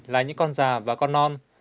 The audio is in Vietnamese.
là những con già và con non